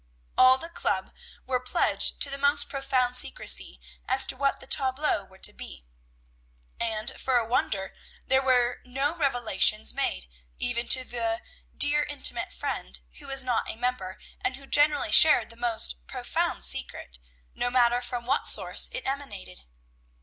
All the club were pledged to the most profound secrecy as to what the tableaux were to be; and, for a wonder, there were no revelations made, even to the "dear, intimate friend," who was not a member, and who generally shared the most "profound secret," no matter from what source it emanated.